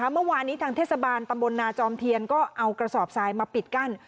เมื่อวานนี้ทางเทศบาลตำบลนาจอมเทียนก็เอากระสอบทรายมาปิดกั้น